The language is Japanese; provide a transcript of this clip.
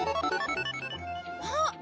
あっ！